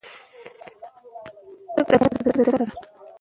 په کليو کې چې پاکې اوبه او روغتيايي اسانتیاوې وي، ناروغۍ لږېږي.